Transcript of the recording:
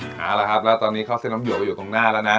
เอาละครับแล้วตอนนี้เข้าเส้นน้ำเหี่ยวไปอยู่ตรงหน้าแล้วนะ